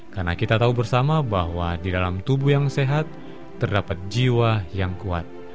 karena kita tahu bersama bahwa di dalam tubuh yang sehat terdapat jiwa yang kuat